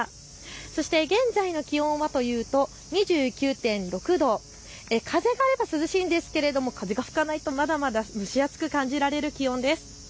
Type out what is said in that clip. そして現在の気温は２９．６度、風があると涼しいんですが、風が吹かないとまだまだ蒸し暑く感じられる気温です。